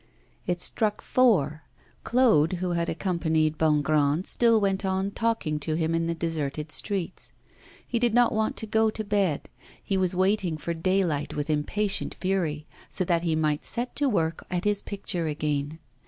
It struck four. Claude, who had accompanied Bongrand, still went on talking to him in the deserted streets. He did not want to go to bed; he was waiting for daylight, with impatient fury, so that he might set to work at his picture again.